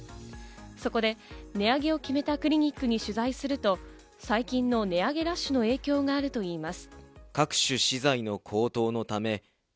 そこで値上げを決めたクリニックに取材すると、最近の値上げラッシュの影響があるといいます。